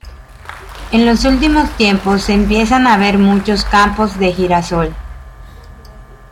En los últimos tiempos se empiezan a ver muchos campos de girasol.